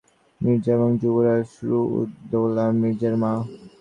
তিনি ছিলেন যুবরাজ হুমায়ুন বখত মির্জা এবং যুবরাজ রুহ-উদ-দৌলা মির্জার মা।